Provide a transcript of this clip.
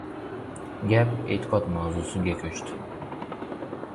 Gap eʼtiqod mavzusiga koʻchdi.